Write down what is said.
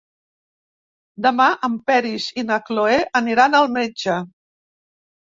Demà en Peris i na Cloè aniran al metge.